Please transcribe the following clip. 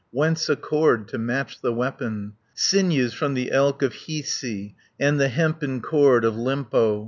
Whence a cord to match the weapon? Sinews from the elk of Hiisi, And the hempen cord of Lempo.